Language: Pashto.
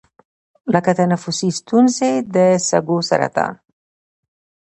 لـکه تنفـسي سـتونـزې، د سـږوسـرطـان،